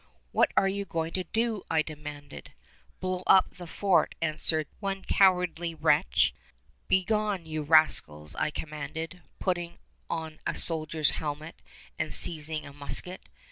"What are you going to do?" I demanded. "Blow up the fort," answered one cowardly wretch. "Begone, you rascals," I commanded, putting on a soldier's helmet and seizing a musket.